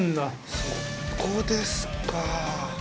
そこですか。